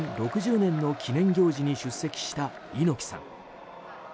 ６０年の記念行事に出席した猪木さん。